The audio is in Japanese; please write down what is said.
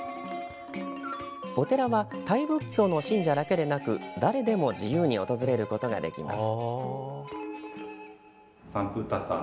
お寺はタイ仏教の信者だけでなく誰でも自由に訪れることができます。